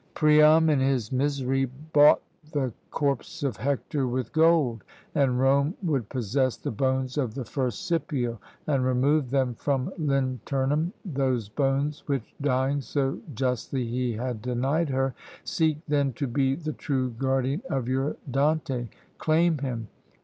Priam, in his misery, bought the corpse of Hector with gold; and Rome would possess the bones of the first Scipio, and removed them from Linternum, those bones, which, dying, so justly he had denied her. Seek then to be the true guardian of your Dante, claim him!